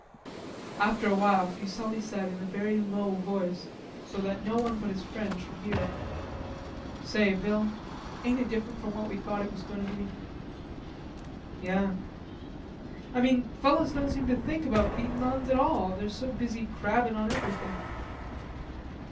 After a while Fuselli said in a very low voice, so that no one but his friend should hear: "Say, Bill, ain't it different from what we thought it was going to be?" "Yare." "I mean fellers don't seem to think about beatin' the Huns at all, they're so busy crabbin' on everything."